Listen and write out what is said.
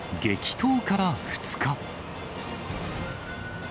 激闘から２日。